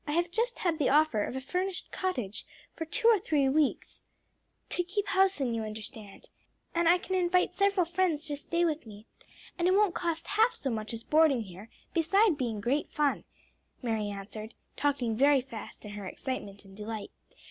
"I have just had the offer of a furnished cottage for two or three weeks to keep house in, you understand and I can invite several friends to stay with me, and it won't cost half so much as boarding here, beside being great fun," Mary answered, talking very fast in her excitement and delight.